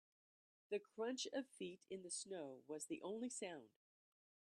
The crunch of feet in the snow was the only sound.